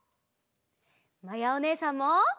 まやおねえさんも！